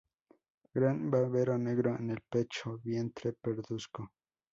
Gran babero negro en el pecho, vientre parduzco.